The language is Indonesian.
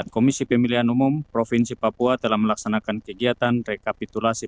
komisi pemilihan umum provinsi papua telah melaksanakan kegiatan rekapitulasi